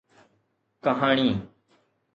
ڪهاڻي